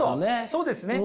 そうですね。